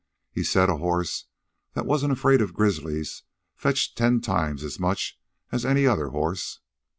He said a horse that wasn't afraid of grizzlies fetched ten times as much as any other horse.